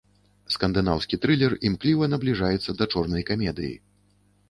Скандынаўскі трылер імкліва набліжаецца да чорнай камедыі.